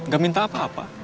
gak minta apa apa